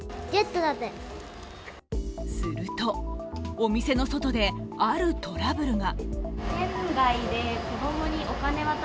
すると、お店の外であるトラブルが。